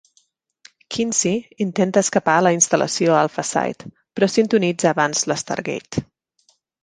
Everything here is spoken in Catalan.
Kinsey intenta escapar a la instal·lació Alpha Site, però sintonitza abans la Stargate.